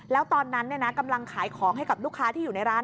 แล้วตอนนั้นกำลังขายของให้กับลูกค้าที่อยู่ในร้าน